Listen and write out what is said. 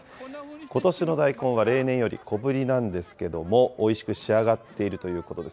ことしの大根は例年より小ぶりなんですけれども、おいしく仕上がっているということです。